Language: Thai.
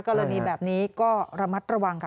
กรณีแบบนี้ก็ระมัดระวังค่ะ